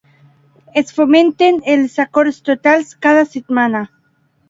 Es fomenten els acords totals cada setmana.